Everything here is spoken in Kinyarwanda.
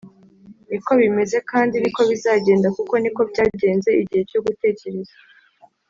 niko bimeze, kandi niko bizagenda, kuko niko byagenze, igihe cyo gutekereza: